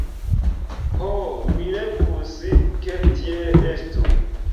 Ho, mi revus, ke tiel estu!